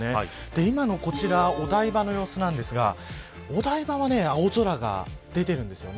今のこちらお台場の様子なんですがお台場は青空が出ているんです。